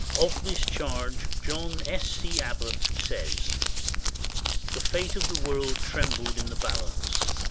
Of this charge John S. C. Abbott says: — "The fate of the world trembled in the balance.